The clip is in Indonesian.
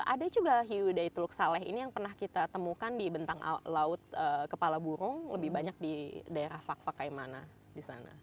ada juga hiu dari tuluk saleh ini yang pernah kita temukan di bentang laut kepala burung lebih banyak di daerah fakfa kayak mana di sana